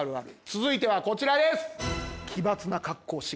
続いてはこちらです。